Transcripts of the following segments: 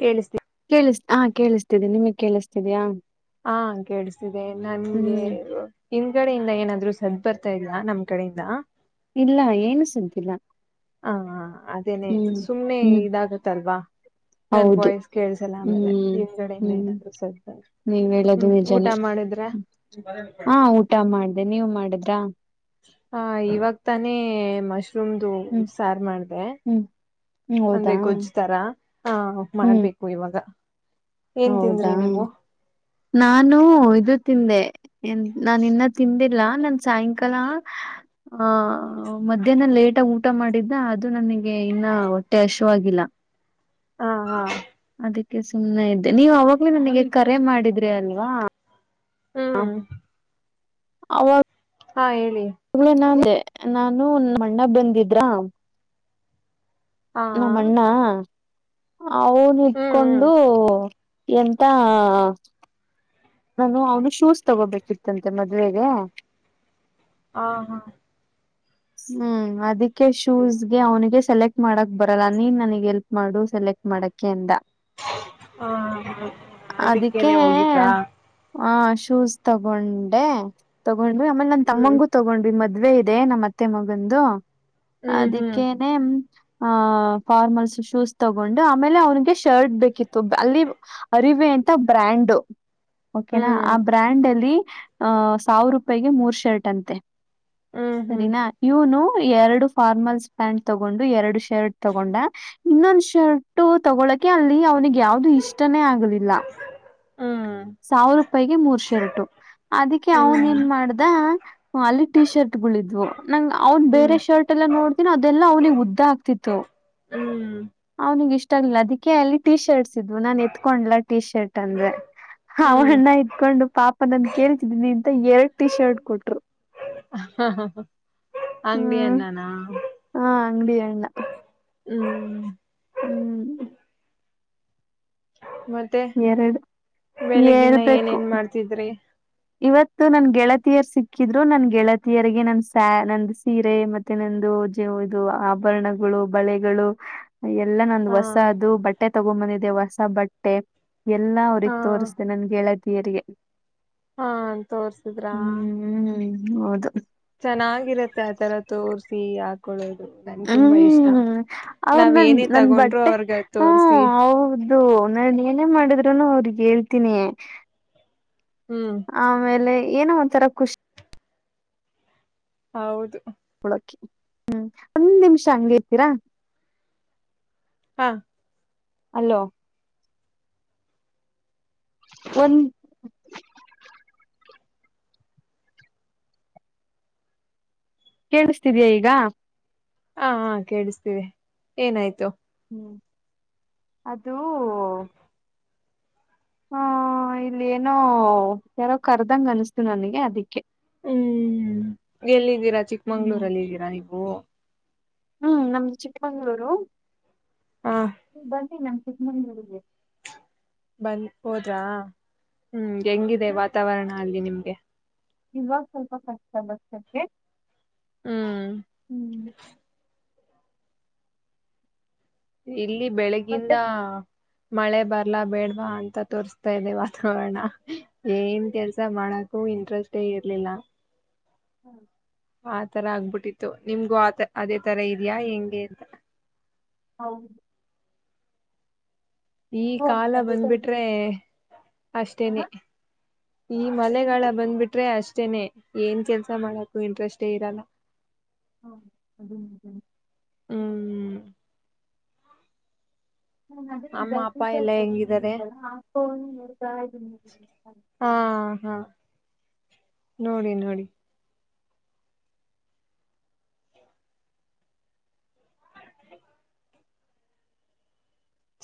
ಕೇಳಿಸ್ತೀನಿ ಕೇಳಿಸ ಹಾ ಕೇಳಿಸ್ತೀದೆ ನಿಮಗ್ ಕೇಳಿಸ್ತಿದ್ಯಾ ಹಾ ಕಳ್ಸಿದೆ ನನ್ಗೆ ಹ್ಮ್ ಹಿಂದ್ಗಡೆಯಿಂದ ಏನಾದ್ರು. ಸದ್ ಬರ್ತಾ ಇದ್ಯಾ ನಮ್ ಕಡೆಯಿಂದ. ಇಲ್ಲ ಏನು ಸ್ದಿಲ್ಲ ಹಾ ಅದೇನೆ ಸುಮ್ನೆ ಹ್ಮ್ ಇದಾಗತ್ತಲ್ವಾ ನನ್ ಹೌದು ಬಾಯ್ಸ್ ಕೇಳ್ಸಲ್ಲ ಆಮೇಲೆ ಹ್ಮ್ ಹಗಡೆೆಯಿಂದ ಹ್ಮ್ ಏನಾದ್ರು ಸಲ್ ನೀವ್ ಹೇಳದು ಹ್ಮ್ ಊಟ ನಿಜಾನೇ ಮಾಡಿದ್ರ ಹಾ ಊಟ ಮಾಡ್ದೆ ನೀವ್ ಮಾಡಿದ್ರಾ ಹ ಇವಾಗ ತಾನೇ ಮ ರುಮ್ದು ಹ್ಮ್ ಸಾರು ಮಾಡ್ದ ಹ್ಮ್ ಹ್ಮ್ ಹೌದಾ ಅಂದ್ರೆ ಗೊಜ್ಜ್ ತರ ಆ ಹ್ಮ್ ಮಾಡ್ಬೇಕು ಇವಾಗ ಏನ್ ಹೌದಾ ತಿಂದ್ರಿ ನೀವು ನಾನು ಇದು ತಿಂದೆನ್ ನಾನ ಇನ್ನ ತಿಂದಿಲ್ಲ ನನ್ ಸಾಯಂಕಾಲ ಆ ಮಧ್ಯಾಹ್ನ ಲೇಟಗ ಊಟ ಮಾಡಿದ್ದ ಅದು ನನಗೆ ಇನ್ನ ಹೊಟ್ಟೆ ಹಶಾಗಿಲ್ಲ. ಹಾ ಹಾ. ಅದಕ್ಕೆ ಸುಮ್ಮನೆ ಇದ್ದೆ ನೀವ ಅವಾಗ್ಲೂ ನನಗೆ ಕರೆ ಮಾಡಿದ್ರಿ ಅಲ್ವಾ. ಹ್ಮ್. ಅವಾಗ. ಹಾ ಹೇಳಿ ಅವಳೋ ನಾ ಅಂದೆ. ನಾನು ಮಣ್ಣ ಬಂದಿದ್ರ. ಹಾ ನಾಮ್ಮಣ್ಣಾ. ಹ್ಮ್ ಅವನ್ ಹ್ಮ್ ಇಟ್ಕೊಂಡು. ಎಂತ ಹ. ನಾನು ಅವನು ಶೂಸ್ ತಗೋಬೇಕಿತ್ತಂತೆ ಮದ್ವೆೆಗೆ. ಹ ಹಾ. ಹ್ಮ್ ಅದ. ಶೂಸ್ಗೆ ಅವನಿಗೆ. ಸೆಲೆಕ್ಟ್ ಮಾಡಕ್ ಬರಲ್ಲ ನೀನ್ ನನಗೆ ಎಲ್ಪ್ ಮಾಡು. ಸೆಲೆಕ್ಟ್ ಮಾಡಕ ಎಂದ ಹಾ ಹಾ ಅದಕ್ಕೆ. ಅದಕ್ಕೇನೆ ಹೋಗಿದ್ರಾ ಹಾ ಶೂಸ್ ತಗೊಂಡೆ ತಗೊಂಡ. ಆೇಲೆ ನನ್ ಹ್ಮ್ ತಮ್ಮಂಗೂ ತಗೊಂಡ್ ಮೆ. ಮದ್ವೆ ಇದೆ ನಮ್ಮ. ಮತ್ತೆ ಮಗಂದು. ಹ್ಮ್ ಹ್ಮ್ ಅದಕ್ಕೇನೆ. ಆ ಫಾರ್ಮಲ್ಸ್ ಶೂಸ್ ತಗೊಂಡು ಆಮೇಲೆ ಅವ್ನಿಗೆ ಶರ್ಟ್ ಬೇಕಿತ್ತು ಅಲ್ಲಿ ಅರಿವೆ ಅಂತ ಬ್ರ್ಯಾಂಡು. ಓಕೆನಾ ಆ ಬ್ರ್ಯಾಂಡ್ ಅಲ್ಲಿ. ಅಹ ಸಾವಿರ ರೂಪಾಯಿಗೆ ಮೂರ್ ಶರ್ಟ್ ಅಂತೆ. ಹ್ಮ್ ಹ್ಮ್ ಹ್ಮ್ ಸರಿನಾ. ಇವನು ಎರಡು ಫಾರ್ಮಲ್ಸ್ ಪ್ಯಾಂಟ್ ತಗೊಂಡು ಎರಡು ಶರ್ಟ್ ತಗೊಂಡ ಇನ್ನೊಂದು ಶರ್ಟ್ ತಗೊಳಕೆ ಅಲ್ಲಿ ಅವನಿಗೆ. ಯಾವ್ದು ಇಷ್ಟನೇ ಆಗಲಿಲ್ಲ ಹ್ಮ್ ಸಾವಿರ ರೂಪಾಯಿಗೆ ಮೂರ್ ಶರ್ಟ ಅದಕ್ಕೆ ಅವನ್ ಏನ್ ಹ್ಮ್ ಮಾಡ್ದ ಅಲ್ಲಿ ಟಿ ಶರ್ಟ್ ಿದ್ವು. ನಂ ಅವ್ನ್ ಹ್ಮ್ ಬೇರೆ ಶರ್ಟ್ ಎಲ್ಲ ನೋಡ್ತಿನ ಅದೆಲ್ಲಾ ಅವ್ನಿಿಗೆ ಉದ್ದ ಆಗ್ತಿತ್ತು ಹ್ಮ್ ಅವ್ನಿಿಗೆ ಇಷ್ಟ. ಇಲ್ಲ ಅದಕ್ಕೆ ಅಲ್ಲಿ ಟಿ ಶರ್ಟ್ಸ್. ್ ನಾನ್ ಎತ್ಕೊಂಡ್ಲ ಟಿ ಶರ್ಟ್ ಅಂದ್ರೆ ಹ್ಮ್ ಅವಣ್ಣ ಇತ್ಕೊಂಡು ಪಾಪ ನನ್ ಕೇಳ್ತಿದನಿಂತ ಎರಡ್ ಟೀ ಶರ್ಟ್ ಕೊಟ್ರು. ಅಂಗಡಿ ಹ್ಮ್ ಅನ್ನನಾ ಹಾ ಅಂಗಡಿ ಎಣ್ಣ. ಹ್ಮ್. ಹ್ಮ್. ಮತ್ತೆ ಎರಡು ಬೆಳಗಿನ ಹೇಳ್ಬೇಕು ಏನೇನ್ ಮಾಡ್ತಿದ್ರಿ. ಹಾಕ್ಕಿದ್ರು ನನ್ ಗೆಳತಿಯರಿಗೆ ನನ್ ಸ ನಂದು ಸೀರೆ ಮತ್ತೆ ನಂದು ಜವ ಇದು ಆಭರಣಗಳು ಬಳೆಗಳು. ಎಲ್ಲ ನಂದ ಹಾ ಹೊಸ ಅದು ಬಟ್ಟೆ ತಗೊ್ಂಬಂದಿದೆೆ ಹೊಸ. ಸ ಬಟ್ಟೆ. ಎಲ್ಲಾ ಹಾ ಅವ್ರಗ್ ತೋರಿಸತೆೆ ನನ್ಗೆ ಹೇಳದ- ಯರಿಗೆ. ಹಾ ತೋರ್ಸಿದ್ರಾ. ಹೌದು. ಚೆನ್ನಾಗಿರತ್ತೆ ಆತರ ತೋರ್ಸಿ ಹಾಕೊಳ್ಳೋದು. ನಂಗೆ ತುಂಬಾ ಇಷ್ಟ ಹ್ಮ್ ಅವದ ನಾವ್ ನನ್ ಏನೇ ನನ್ ತಗೊಂಡ್ರು ಬಟ್ಟೆ ಅವ್ರಗ ಹ್ಮ ತೋರ್ಸಿ ಹೌದು ನನ್ ಏನೇ ಮಾಡಿದ್ರುನು ಅವ. ಗ್ ಹೇಳ್ತೀನಿ. ಹ್ಮ್ ಆಮೇಲೆ. ಏನೋ ಒಂಥರ ಖುಷಿ. ಹೌದು. ಹಳಕೆ ಹ್ಮ್ ಒಂದ್ ನಿಮಿಷ ಹಂಗಗೆ ಇರ್ತೀರಾ. ಹಾ. ಅಲ್ಲೋ. ಒಂದು. ಕೇಳಿಸ್ತಿದಯಾ ಈಗ. ಹ ಹಾ ಕೇಳಿಸ್ತೀವಿ ಏನಾಯ್ತು. ಹ್ಮ್ ಅದುೂ. ಹ ಇಲ್ಲಿ ಏನೋ ಯಾರೋ ಕರ್ದಂಗ ಅನಸ್ತು ನನಗೆ ಅದಿಕ್ಕೆ. ಹ್ಮ್ ಎಲ್ಲಿದ್ದೀರಾ ಹ್ಮ್ ಚಿಕ್ಮಂಗ್ಳೂರಲ್ಲಿ ಇದಿದ್ದೀರಾ ನೀವು. ಹ್ಮ್ ನಮ್ದ ಚಿಕ್ಕಮಂಗ್ಗಳೂರು. ಹಾ ನೀ ಬಂದೀ ನಮ. ಕ ಮಗೆ. ಬಂದ ಹೋದ್ರಾ. ಹ್ಮ್ ಹೆಂಗಿದೆ ವಾತಾವರಣ ಅಲ್ಲಿ ನಿಮ್. [unintelligible] ಇವಾಗ ಸ್ವಲ್ಪ ರ್ಚ ಬತಕ್ಕೆ. ಹ್ಮ್. ಇಲ್ಲಿ ಬೆಳಗ್ಗಿಂದ ಮತ್ತೆ ಮಳೆ ಬರ್ಲಾ ಬೇಡ್ವಾ ಅಂತ ತೋರ್ಸ್ತಾ ಇದೆ ವಾತಾವರಣ ಏನ್ ಕೆಲ್ಸ ಮಾಡಕು ಇಂಟ್ರೆಸ್ೇ ಇರ್ಲಿಲ್ಲ ಹ್ಮ್ ಆ ತರ ಆಗ್ಬಿಟ್ಟಿತ್ತು ನಿಮ್ಗೂ ಆತ ಅದೇ ತರ ಇದ್ಯಾಾ ಹೆಂಗೆ ಅಂತ. ಹೌದು. ಈ ಕಾಲ ಬಂದ್ಬಿಟ್ರೆ ಹಾ ಅಷ್ಟೇನೆ ಈ ಏನಂದ್ರಿ? ಮಳಗಳ ಬಂದ್ಬಿಟ್ರೆ ಅಷ್ಟೆ. ಅಷ್ಟೇನೆ ಏನ್ ಕೆಲ್ಸ ಮಾಡಕು ಇಂಟ್ರೆಸ್ಟೇ ಇರಲ್ಲ. ಹಾ ಅದುದನೆ. ಹ್ಮ್ ನ ಅದೇ ಈ ಬ ಅಮ್ಮ ಅಪ್ಪ ಎಲ್ಲಾ ಹೆಂಗಿದ್ದಾರೆ. ಆತ. ಹಾ ಹಾ ನೋಡಿ ನೋಡಿ. ಡ [unintelligible]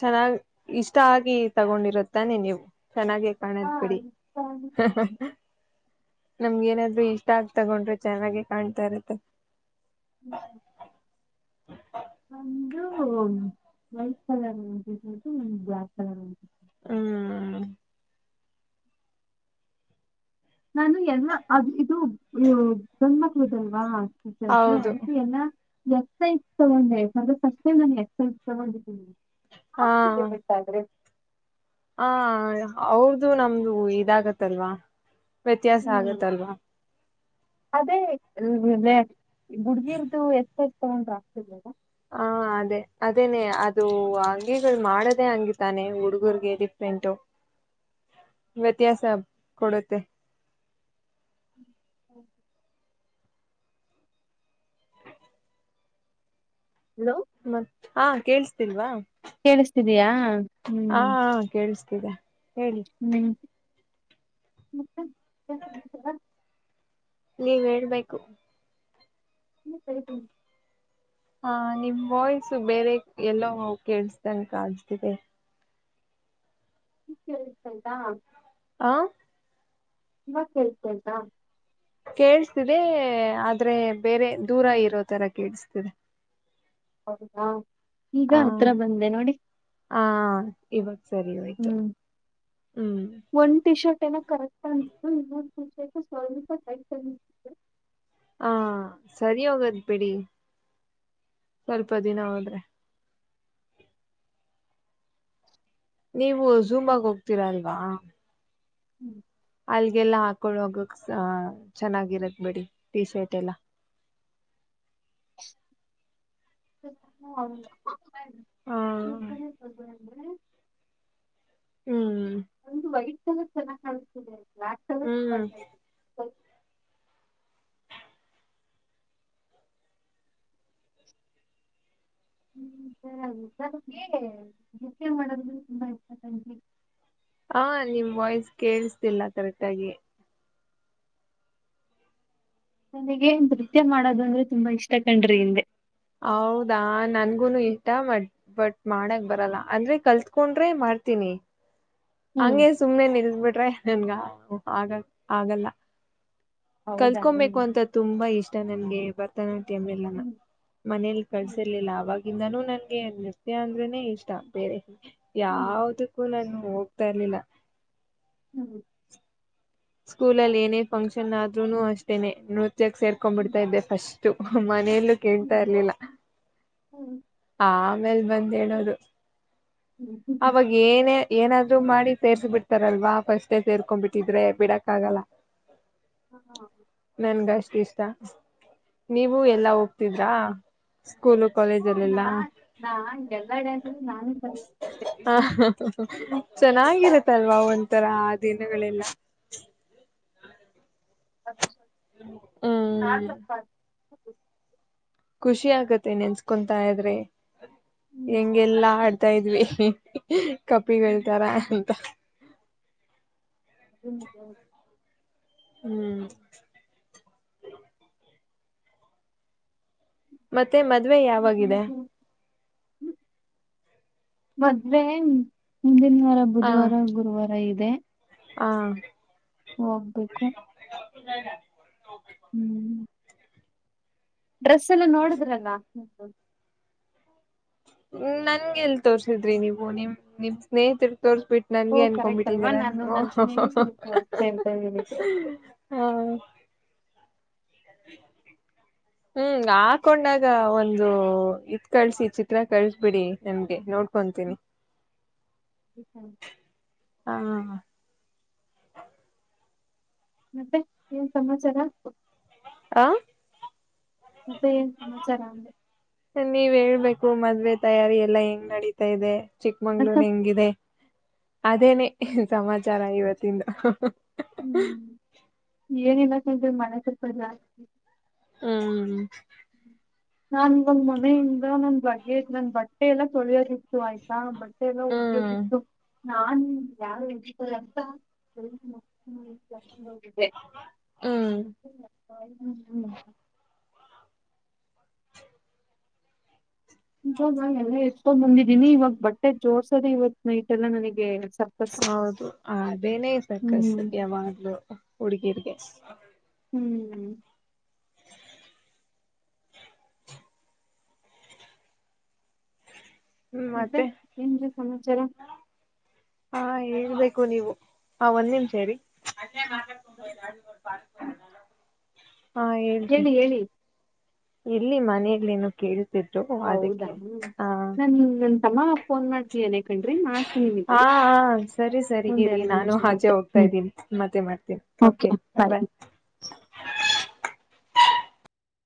ಚೆನ್ನಾಗಿ್ ಇಷ್ಟ ಆಗಿ ತಗೊಂಡಿರುತ್ತಾನೆ ನೀವು ಚೆನ್ನಾಗೇ ಹಾ ಕಾಣದ್ ಬಿಡಿ ನಮ್ಗ ಏನಾದ್ರು ಇಷ್ಟ ಆಗ್ ತಗೊಂಡ್ರರು ಚೆನ್ನಾಗಿ ಕಾಣ್ತಾ ಇರತ್ತೆ ಒಂದು ವೈಟ್ ಕಲರ್ ಅಟದು ಬ್ಲ್ಯಾಕ್ ಕಲರ್ ಅಂತ [unintelligible] ಹ್ಮ ಹ್ಮ್ [unintelligible] ನಾನು ಎಲ್ಲ ಅದು ಇದು ಗನ್ಮಕ್ [unintelligible] ದಲ್ವಾ ವಿಸು ಹೌದು ಅದತಿ ಎಲ್ಲ ಎಕ್ಸ ತಗೊಂಡೆ ಅಂದ್ರೆ ಕಷ್ಟೇ ನಾನ ಎಕ್ ತಗೊಂಡಿದ್ದನಿ ಹಾ ಆಗ್ತಿದೆ ಬೆಟ್ಟಾದ್ರೆ ಹ ಅವ್ರದುು ನಮ್ದು ಇದಾಗತ್ತಲ್ವಾ ವ್ಯತ್ಯಾಸ ಹ್ಮ್ ಆಗತ್ತಲ್ವಾ ಅದೇ ಗುಡ್ಗಿರ ಎಷ್ಟಷ್ಟ ತಗೊಂಡ್ರ ಆಗ್ತತಿ ಹ ಅದೇ ಅದೇನೇ ಅದು ಅಂಗಿಗಳು ಮಾಡದೇ ಹಂಗ ತಾನೆ ಹುಡ್ಗರ್ಗೆ ಡಿಫ್ರೆಂಟು ವ್ಯತ್ಯಾಸ ಕೊಡುತ್ತೆ ಹೌ ಹಲೋ ಮತ್ ಹಾ ಕೇಳಳ್ಸ್ತಿಲ್ವಾ ಕೇಳಿಸ್ತಿದಯಾ ಹ್ಮ್ ದ [unintelligible] ಹ್ಮ್ ಮತ್ತ [unintelligible] ನೀವ್ ಹೇಳ್ಬೇಕು [unintelligible] ಇನ್ನು ಕತ ಹಾ ನಿಮ್ ವಾಯ್ಸು ಬೇರೆ ಎಲ್ಲೋ ಕೇೇಳಸತನಕ ಅತಿದೆ ಕೇಳತಂತಾ ಹ. ತುಂಬಾ ಕೇಳ್ತಯತಾ ಕೇಳ್ಸ್ತಿದೆ ಆದ್ರೆ ಬೇರೆ ದೂರ ಇರೋ ತರ ಕೇೇಳಸ್ತಿದೆ ಹೌದಾ ಈಗ ಹತ್ರ ಬಂದೆ ನೋಡಿ ಹಾ ಇವತ್ತು ಸರಿ ಆಯತು ಹ್ಮ್ ಹ್ಮ್ [unintelligible] ತ ಕತ [unintelligible] ಸ್ವರ್ಪ ತ ಹಾ ಸರಿ ಹೋಗದ್ ಬಿಡಿ ಸ್ವಲ್ಪ ದಿನ ಹೋದ್ರೆ ನೀವು ಝೂಮಾಗ ಹೋಗ್ತೀರಾ ಅಲ್ವಾ ಹ್ಮ್ [unintelligible] ಅಲ್ಗೆಲ್ಲ ಹಾಕೊಳ ಹೋಗಕ್ ಚೆನ್ನಾಗಿರದ ಬಿೇಡಿ ಟೀ ಶರ್ಟ್ ಎಲ್ಲ. ಹು ಹಾ ಸಿ. ಹ್ಮ್ ಒಂದು ಚೆಲ ಕೇ ಹ್ಮ್ ಹ್ಮ್ ಸರಿಗೆ ಗಸೆ ಮಾಡೋದ ತುಂಬಾ ಇಷ್ಟ ತಂಗೆ ಹಾ ನಿಮ್ ವಾಯ್ಸ್ ಕೇಳಿಸ್ತಿಲ್ಲ ಕರೆಕ್ಟಾಗಿ ನನಗೆ ನೃತ್ಯ ಮಾಡೋದಂದ್ರೆ ತುಂಬಾ ಇಷ್ಟ ಕಣ್ರಿ ಹಿಂದೆ. ಹೌದಾ ನನ್ಗುನು ಇಷ್ಟ ಮಟ್ ಬಟ್ ಮಾಡಕ್ ಬರಲ್ಲ ಅಂದ್ರೆ ಕಲ್ತ್ಕೊಂಡ್ರೆ ಮಾಡ್ತೀನಿ. ಹ್ಮ್ ಹಂಗೆ ಸುಮ್ಮ್ನೆ ನಿಲ್ಬಿಟ್ಟ. ನನ್ಗ ಆಗ ಆಗಲ್ಲ. ಹೌದಾ ಹ್ಮ್ ಕಲ್ಕೊಬೇಕು ಅಂತ ತುಂಬಾ ಇಷ್ಟ. ನನ್ಗೆ ಬತ. ಅಮ್ಮ ಇಲ್ಲಾನ. ಹ್ಮ್ ಮನೇಲಿ ಕಳ್ಸಿರ್ಲಿಲ್ಲ ಅವವಾಗ. ಂದಾನೂ ನನ್ಗೆ ನೃತ್ಯ ಅಂದ್ರನನೆ ಇಷ್ಟ ಬೇರೆ ಹ್ಮ್ ಯಾವ್ದ ಕೂಲನು. ಹೋಗ್ತಾ ಇರ್ಲಿಲ್ಲ. ಹ್ಮ್. ಸ್ಕೂಲಲ್ಲಿ ಏನೇ ಫಂಕ್ಷನ್ ಆದ್ರೂನು ಅಷ್ಟೇನೆ. ಜ ಸೇರ್ಕೊಂಡ್ ಹ್ಮ್ ಬಿಡ್ತಾ ಇದ್ದ ಫಸ್ಟ್. ಹು. ಮನೇಲ್ಲೂ ಕೇಳ್ತಾ ಹ್ಮ್ ಇರ್ಲಿಲ್ಲ. ಹ್ಮ್ ಆಮೇಲೆ ಬಂದ ಹೇಳೋರು ಹ್ಮ್ ಹ್ಮ್ ಅವಾಗ ಏನೇ ಏನಾದ್ರು ಮಾಡಿ ಸೇರ್ಸ್ ಬಿಡ್ತಾರಲ್ವಾ ಫಸ್ಟೇ ಸೇರ್ಕೊಂಡ್ಬಿಟ್ಟಿದ್ರೆ ಬಿಡಕ್ ಆಗಲ್ಲ ಹ್ಮ ನನಗ ಅಷ್ಟ ಇಷ್ಟ ನೀವು ಎಲ್ಲಾ ಹೋಗ್ತಿದ್ರಾ. ಸ್ಕೂಲು ಹಓ ನಾ ಕಾಲೇಜಲ್ಲೆಲ್ಲಾ ನಾ ಎಲ್ಲ ಡ್ಯಾನ್ಸ ನಾನು ಸಲ್. ಆ. ಚೆನ್ನಾಗಿರತ್ತಲ್ವಾ ಒಂಥರ ಆ ದಿನಗಳೆಲ್ಲ. ಹಾ ಹ್ಮ್ ಸಪ್ಪ. ಖುಷಿ ಆಗತ್ತೆ ನೆನ್ಸ್ಕೊಂತ ಇದ್ರೆ ಹ್ಮ್ ಹೆಂಗೆಲ್ಲಾ. [unintelligible] ಕಪಿ ಹ್ಮ್ ಹೇಳ್ತಾರ ಅಂತ ಅದು ನಿಜಾ ನೆ ಹ್ಮ್ ಮತ್ತೆ ಮತ್ತೆ ಮದ್ವೆ ಹ್ಮ್, ಹ್ಮ್, ಯಾವಾಗಿದೆ? ಹ್ಮ್, ಮದ್ವೆ ಶಾರ ಬುಧವಾರ ಗುರುವಾರ ಇದೆ ಹಾ ಹೋಗ್ಬೇಕು [unintelligible] ಹ್ಮ್ ಡ್ರೆಸ್ ಎಲ್ಲ ನೋಡಿದ್ರಲ್ಲಾ ಹ್ಮ ನಂಗೆ ಎಲ್ ತೋರ್ಸಿದ್ರಿ ನೀವು ನಿಮ್ ನಿಮ್ ಸ್ನೇಹಿತರ್ ತೋರ್ಸ್ಬಿಟ್ಟು ಓ ನನ್ಗೆ ಕರೆಕ್ಟ್ ಅಲ್ವಾ ಅನ್ಕೊಬಿಟ್ಟಿದರಾ ನಾನು ನನ್ ಸ್ನೇಹಿತರು ತೋರಿಸತೆ ಅಂತ ಹೇಳಿದ್ದು ಹಾ ಹ್ಮ್ ಹಾಕೊಂಡಾಗ ಒಂದು ಇದ ಕಳ್ಸಿ ಚಿತ್ರ ಕಳ್ಸ್ ಬಿಡಿ ನನ್ನಗೆ ನೋಡ್ಕೊಂತೀನಿ. [unintelligible] ಹಾ ಮತ್ತೆ ಏನ್ ಸಮಾಚಾರಾ ಹಾ ಮತ್ತೆ ಏನ್ ಸಮಾಚಾರ ಅಂದೆ ನೀವ್ ಹೇಳ್ಬೇಕು ಮದ್ವೆ ತಯಾರಿ ಎಲ್ಲಾ ಹೆಂಗ್ ನಡತಾ ಇದೆ ಮತ್ತೆ ಚಿಕ್ಕಮಂಗ್ಳೂರ್ ಹೆಂಗಿದೆ ಅದೇನೆ ಸಮಾಚಾರ ಇವತ್ತಿಂದು ಹ್ಮ್ ಏನಿಲ್ಲಾ [unintelligible] ಹ್ಮ ನಾನ್ ಒಂದ್ ಮನೆಯಿಂದ ನನ್ ಲಗೇಜ್ಬಗ ನನ್ ಬಟ್ಟೆ ಎಲ್ಲ ತೊಳಿಯೋದ ಆಯ್ತಾ ಬಟ್ಟೆ ಎಲ್ಲ ಹ್ಮ್ ಉದ್ಯೋಗಿತ್ತು ನಾನ [unintelligible] [unintelligible] ಇವಾಗ ಎಲ್ಲಾ ಎತ್ಕೊಂಡ್ ಬಂದಿದ್ದೀನಿ ಇವಾಗ ಬಟ್ಟೆ ಜೋರ್ಸೋದೆ ಇವತ್ ನೈಟ್ ಎಲ್ಲಾ ನನಗೆ ಸರ್ಕಸ್ ಹೌದು ಅದೇನೇ ಸರ್ಕಸ್ ಹ್ಮ್ ಯಾವಾಗ್ಲೂ. ಹುಡುಗೀರಿಗೆ, ಹ್ಮ್ ಮತ್ತೆ ಏನ್ರೀ ಸಮಾಚಾರ ಹಾ ಏಳ್ಬೇಕು ನೀವು ಆ ಒಂದೇಮ ಸೇರಿ ಹ್ಮ ಹೇಳಿ ಹೇಳಿ ಎಲ್ಲಿ ಮನಲ್ಲೇನ ಕೇಳ ಹೌದಾ ನನ್ ನನ್ ತಮ್ಮ ಫೋನ್ ಮಾಡ್ತೀಯನೆ ಹಾ ಸರಿ ಒಂದ್ ಸರಿಗಿರಿ ಎರಡ್ ನಾನು ನಿಮಿಷ ಆಚೆ ಬಿಟ್ಟು. ಹೋಗ್ತಾ ಹ್ಮ್, ಇದ್ದೀನಿ ಮತ್ತೆ ಮಾಡ್ತೀನಿ ಓಕೆ ಬಾಯ್